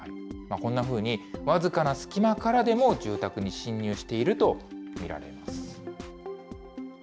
こんなふうに、僅かな隙間からでも、住宅に侵入していると見られます。